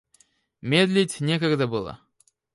Медлить некогда было.